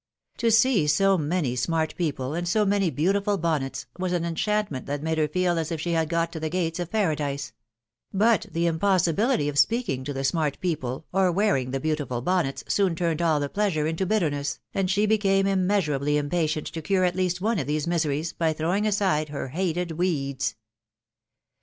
To see so many smart people, and so many beautiful bonnets, was an en chantment tibat made her feel as if she had got 4o the gates of Paradise ', but the impossifoilky of speaking to tibe smart people, or wearing the beautiful bonnets, soon turned 40ft the pleasure into bitterness, and she became immeasurably impatient to cure st least one of these miseries, by throwing aside her hated weeds.